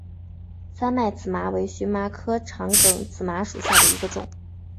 三脉紫麻为荨麻科长梗紫麻属下的一个种。